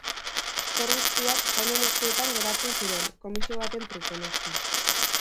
Zor guztiak jaunen eskuetan geratzen ziren, komisio baten truke, noski.